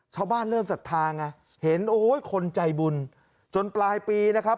เริ่มศรัทธาไงเห็นโอ้ยคนใจบุญจนปลายปีนะครับ